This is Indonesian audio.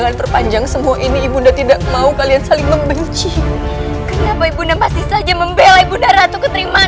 apa yang dilakukan ibu enggak ratukan terima